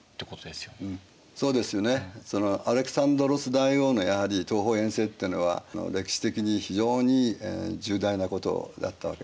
そうですよねアレクサンドロス大王のやはり東方遠征っていうのは歴史的に非常に重大なことだったわけです。